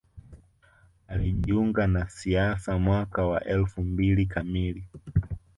Alijiunga na siasa mwaka wa elfu mbili kamili